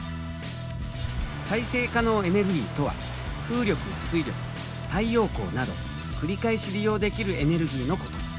再生可能エネルギーとは風力や水力太陽光など繰り返し利用できるエネルギーのこと。